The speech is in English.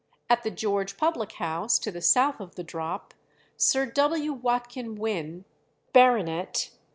At the George public house to the south of the drop, Sir W. Watkin Wynn, Bart.